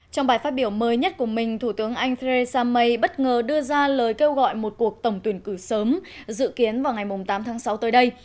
trong bài phát biểu mới nhất của mình thủ tướng anh theresa may bất ngờ đưa ra lời kêu gọi một cuộc tổng tuyển cử sớm dự kiến vào ngày tám tháng sáu tới đây